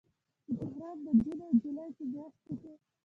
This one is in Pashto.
چې تهران د جون او جولای په میاشتو کې